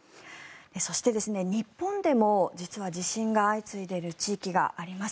そして日本でも実は地震が相次いでいる地域があります。